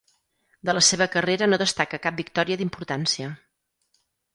De la seva carrera no destaca cap victòria d'importància.